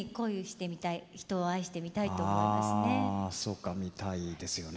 そうかみたいですよね。